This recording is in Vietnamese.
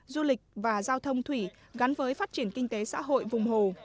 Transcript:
du lịch và giao thông thủy gắn với phát triển kinh tế xã hội vùng hồ